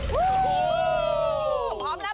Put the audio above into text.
พรุ่งนี้๕สิงหาคมจะเป็นของใคร